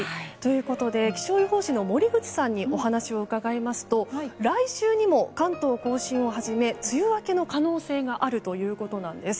気象予報士の森口さんにお話を伺いますと来週にも関東・甲信をはじめ梅雨明けの可能性があるということなんです。